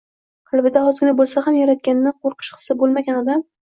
Qalbida ozgina bo‘lsa ham Yaratgandan qo‘rqish hissi bo‘lmagan odam